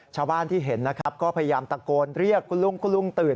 ชาวบ้านที่เห็นนะครับก็พยายามตะโกนเรียกคุณลุงคุณลุงตื่น